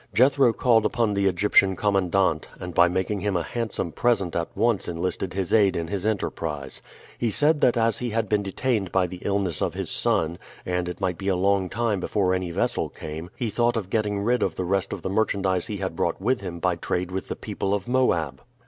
Jethro called upon the Egyptian commandant, and by making him a handsome present at once enlisted his aid in his enterprise. He said that as he had been detained by the illness of his son, and it might be a long time before any vessel came, he thought of getting rid of the rest of the merchandise he had brought with him by trade with the people of Moab.